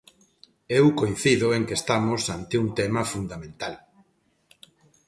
Eu coincido en que estamos ante un tema fundamental.